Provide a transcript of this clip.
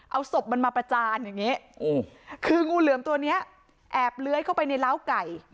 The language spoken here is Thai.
เอาศพมันมาประจานอย่างนี้คืองูเหลือมตัวนี้แอบเลื้อยเข้าไปในล้าวไก่